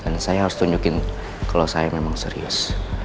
dan saya harus tunjukin kalau saya memang serius